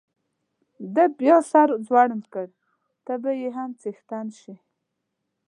ده بیا سر ځوړند کړ، ته به یې هم څښتن شې.